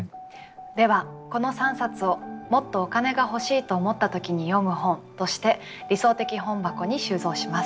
ではこの３冊を「もっとお金が欲しいと思った時に読む本」として理想的本箱に収蔵します。